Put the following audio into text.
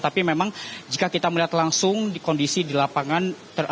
tapi memang jika kita melihat langsung kondisi di lapangan